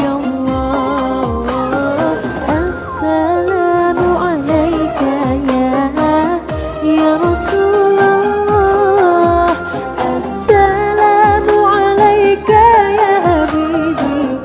assalamualaikum ya nabi